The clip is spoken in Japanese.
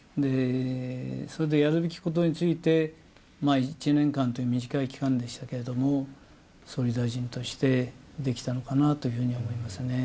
それでやるべきことについて、１年間という短い期間でしたけれども、総理大臣としてできたのかなというふうには思いますね。